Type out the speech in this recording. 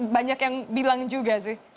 banyak yang bilang juga sih